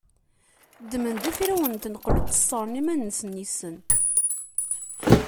Ddmen-d iferrawen n tenqelt, ssṛen iman-nsen yes-sen.